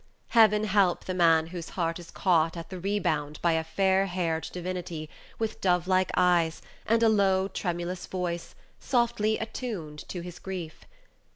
Heaven help the man whose heart is caught at the rebound by a fair haired divinity, with dove like eyes, and a low, tremulous voice, softly attuned to his grief.